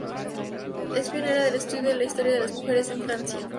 Es pionera del estudio de la historia de las mujeres en Francia.